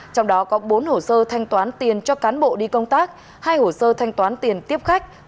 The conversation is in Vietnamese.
trong đó có bốn hồ sơ thanh toán tiền cho cán bộ đi công tác hai hồ sơ thanh toán tiền tiếp khách